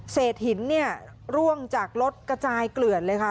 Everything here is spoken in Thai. เสร็จหินเนี่ยร่วงจากรถกระจายเกลือนเลยค่ะ